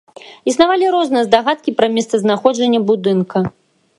Існавалі розныя здагадкі пра месцазнаходжанне будынка.